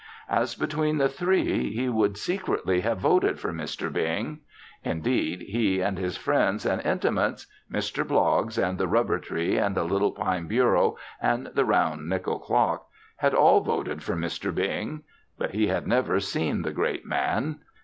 As between the three he would, secretly, have voted for Mr. Bing. Indeed, he and his friends and intimates Mr. Bloggs and the rubber tree and the little pine bureau and the round nickel clock had all voted for Mr. Bing. But he had never seen the great man.